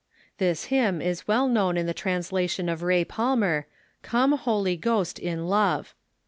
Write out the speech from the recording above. This hymn is well known in the translation of Ray Palmer, " Come, Holy Ghost, in Love."